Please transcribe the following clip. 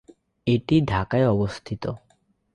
এটি ঢাকায় অবস্থিত।